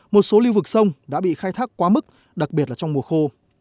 một số lưu vực sông đã bị khai thác quá mức đặc biệt là trong mùa khô